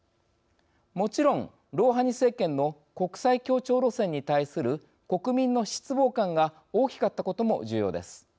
もちろん、ロウハニ政権の国際協調路線に対する国民の失望感が大きかったことも重要です。